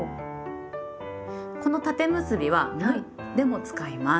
この「縦結び」は「む」でも使います。